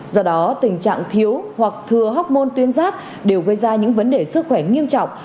do đó tình trạng thiếu hoặc thừa hóc môn tuyến giáp đều gây ra những vấn đề sức khỏe nghiêm trọng